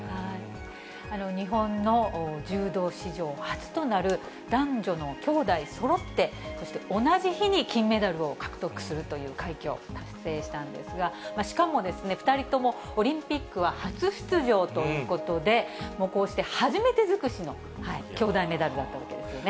日本の柔道史上初となる、男女の兄妹そろって、そして同じ日に金メダルを獲得するという快挙達成したんですが、しかも２人とも、オリンピックは初出場ということで、こうして初めて尽くしの兄妹メダルだったわけですよね。